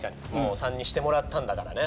もう３にしてもらったんだからね。